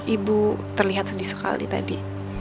ibu terlihat sedih sekali tadi